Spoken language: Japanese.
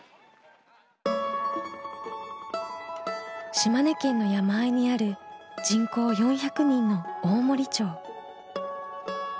島根県の山あいにある人口４００人の大森町。